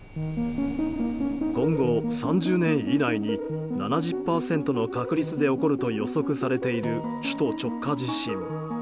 今後３０年以内に７０％の確率で起こると予測されている首都直下地震。